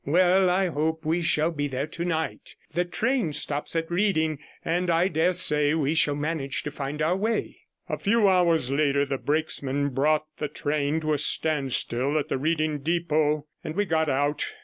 Well, I hope we shall be there tonight. The train stops at Reading, and I dare say we shall manage to find our way.' A few hours later the brakesman brought the train to a standstill at the Reading depot, and we got out.